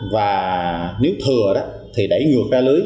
và nếu thừa thì đẩy ngược ra lưới